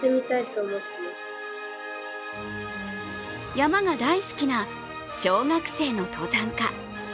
山が大好きな小学生の登山家。